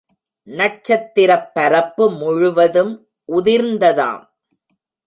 நட்சத்திரப் பரப்பு முழுவதும் உதிர்ந்ததாம்.